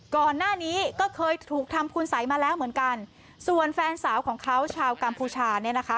ก่อนหน้านี้ก็เคยถูกทำคุณสัยมาแล้วเหมือนกันส่วนแฟนสาวของเขาชาวกัมพูชาเนี่ยนะคะ